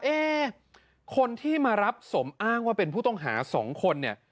เอ๊คนที่มารับสมอ้างว่าเป็นผู้ต้องหา๒คนเนี่ย